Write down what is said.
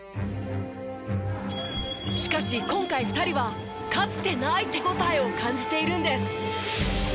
しかし今回２人はかつてない手応えを感じているんです。